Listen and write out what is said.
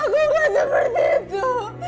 aku gak seperti itu